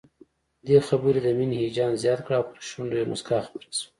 دې خبر د مينې هيجان زيات کړ او پر شونډو يې مسکا خپره شوه